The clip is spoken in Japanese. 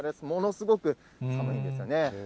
ものすごく寒いんですよね。